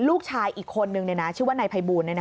ลูกชายอีกคนนึงชื่อว่านายภัยบูล